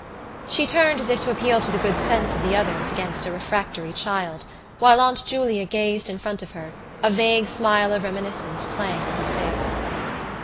She turned as if to appeal to the good sense of the others against a refractory child while Aunt Julia gazed in front of her, a vague smile of reminiscence playing on her face.